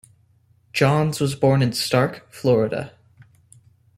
Johns was born in Starke, Florida.